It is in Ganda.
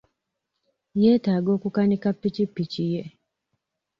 Yeetaaga okukanika pikipiki ye.